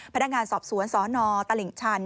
พนักงานสอบสวนสนตลิ่งชัน